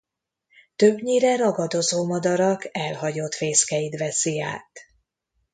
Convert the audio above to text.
Többnyire ragadozó madarak elhagyott fészkeit veszi át.